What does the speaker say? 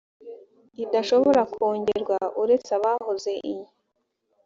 idashobora kongerwa uretse abahoze i